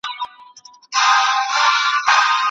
ډیپلوماټانو به کارګرانو ته د کار حق ورکړی وي.